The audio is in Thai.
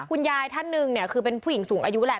คุณยายท่านหนึ่งเนี่ยคือเป็นผู้หญิงสูงอายุแหละ